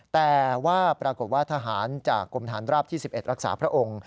แต่ว่าปรากฏว่าทหารจากกรมฐานราบที่๑๑รักษาพระองค์